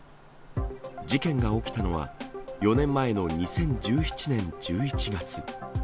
事件が起きたのは、４年前の２０１７年１１月。